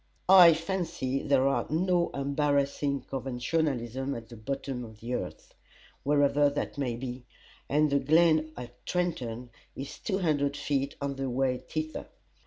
I fancy there are no embarrassing conventionalisms at the bottom of the earth wherever that may be and the glen at Trenton is two hundred feet on the way thither.